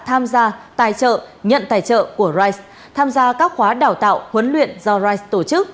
tham gia tài trợ nhận tài trợ của rise tham gia các khóa đào tạo huấn luyện do rise tổ chức